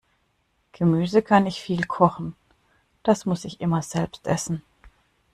Gemüse kann ich viel kochen, das muss ich immer selbst essen.